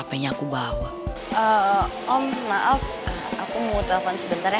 hpnya aku bawa om maaf aku mau telepon sebentar ya ya